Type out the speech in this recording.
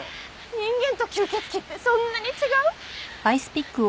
人間と吸血鬼ってそんなに違う？